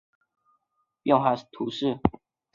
埃尔芒附近圣日耳曼人口变化图示